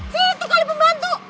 si itu kali pembantu